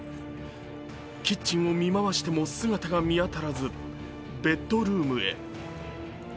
キッチンを見回しても姿が見当たらず、ベッドルームへ。